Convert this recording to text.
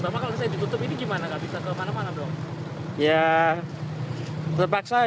bapak kalau bisa ditutup ini gimana